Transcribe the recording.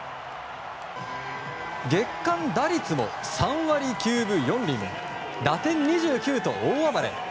月間打率も３割９分４厘打点２９と大暴れ。